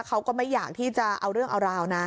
เขาก็ไม่อยากที่จะเอาเรื่องเอาราวนะ